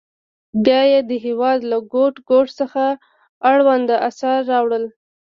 بیا یې د هېواد له ګوټ ګوټ څخه اړوند اثار راوړل.